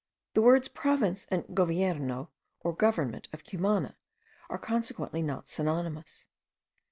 The words province and govierno, or government of Cumana, are consequently not synonymous.